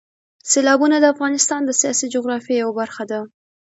سیلابونه د افغانستان د سیاسي جغرافیې یوه برخه ده.